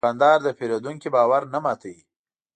دوکاندار د پېرودونکي باور نه ماتوي.